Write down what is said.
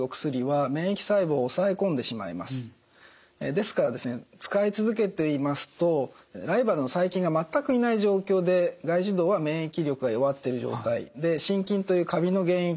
ですから使い続けていますとライバルの細菌が全くいない状況で外耳道は免疫力が弱っている状態で真菌というカビの原因